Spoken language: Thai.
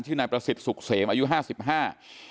นายประสิทธิ์สุขเสมอายุห้าสิบห้า